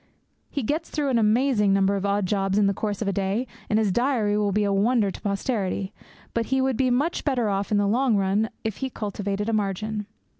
He gets through an amazing number of odd jobs in the course of a day, and his diary will be a wonder to posterity. But he would be much better off in the long run if he cultivated a margin.